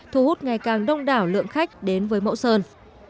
thu hút ngày càng đông đảo lượng khách đến với mẫu sơn